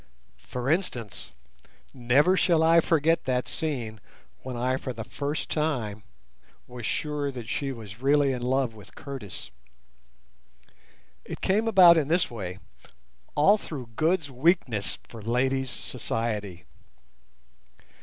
For instance, never shall I forget that scene when I for the first time was sure that she was really in love with Curtis. It came about in this way—all through Good's weakness for ladies' society.